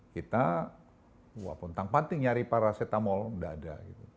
kita walaupun tak penting nyari paracetamol sudah ada